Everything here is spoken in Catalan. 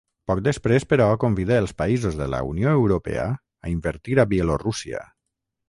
Poc després, però, convidà els països de la Unió Europea a invertir a Bielorússia.